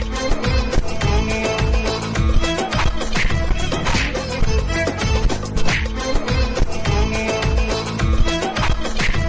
สวัสดีครับ